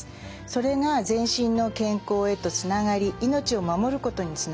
それが全身の健康へとつながり命を守ることにつながります。